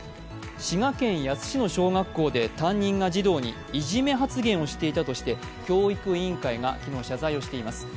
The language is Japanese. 滋賀県野洲市の小学校で担任が児童にいじめ発言をしていたということで、教育委員会が昨日謝罪をしています。